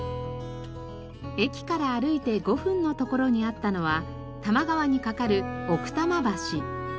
駅から歩いて５分の所にあったのは多摩川にかかる奥多摩橋。